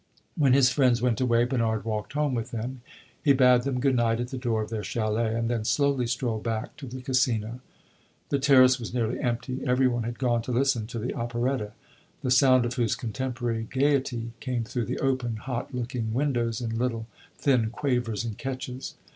When his friends went away Bernard walked home with them. He bade them good night at the door of their chalet, and then slowly strolled back to the Casino. The terrace was nearly empty; every one had gone to listen to the operetta, the sound of whose contemporary gayety came through the open, hot looking windows in little thin quavers and catches.